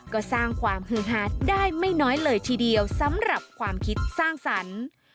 ก็สร้างความฮือฮาดได้ไม่น้อยเลยทีเดียวสำหรับความคิดสร้างสรรค์